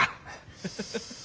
フフフフッ。